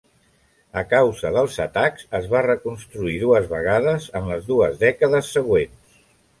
A causa dels atacs es va reconstruir dues vegades en les dues dècades següents.